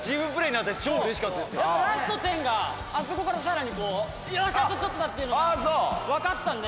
やっぱラスト１０があそこからさらにこうよしっあとちょっとだ！っていうのがわかったんで。